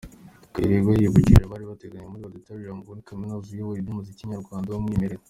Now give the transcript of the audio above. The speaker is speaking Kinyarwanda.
Kayirebwa yibukije abari bateraniye muri Auditorium ya Kaminuza uburyohe bw’umuziki nyarwanda w’umwimerere.